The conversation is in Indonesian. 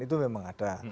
itu memang ada